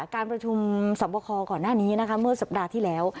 การประชุมสอบคอก่อนหน้านี้นะคะเมื่อสัปดาห์ที่แล้ว